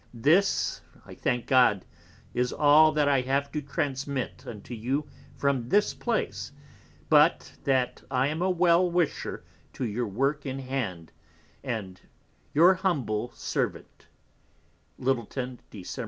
This, (I thank God) is all that I have to transmit unto you from this place, but that I am a Well wisher to your Work in Hand, And your Humble Servant, _Littleton, Decem.